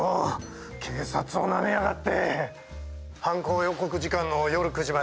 警察をなめやがって！